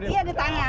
iya di tangan